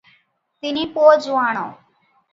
ତିନି ପୁଅ ଯୁଆଣ ।